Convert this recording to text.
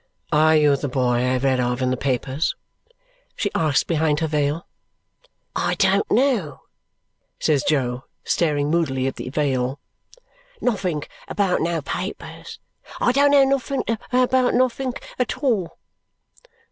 "Are you the boy I've read of in the papers?" she asked behind her veil. "I don't know," says Jo, staring moodily at the veil, "nothink about no papers. I don't know nothink about nothink at all."